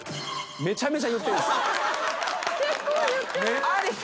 めちゃめちゃ言ってるんです。